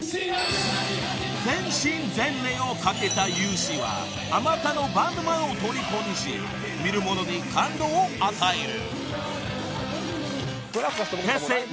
［全身全霊を懸けた勇姿はあまたのバンドマンをとりこにし見る者に感動を与える］